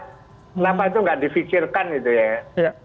kenapa itu nggak difikirkan gitu ya